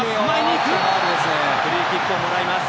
フリーキックをもらいます。